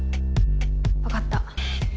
わかった。